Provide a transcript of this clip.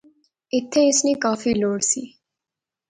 ایتھیں اس نی کافی لوڑ سی